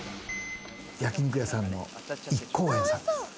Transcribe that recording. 焼き肉屋さんの一幸園さんです。